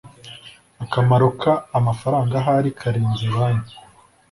akamaro k amafaranga ahari karenze banki